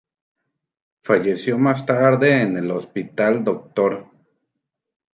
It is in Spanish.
Falleció más tarde en el hospital "Dr.